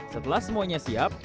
setelah semuanya siap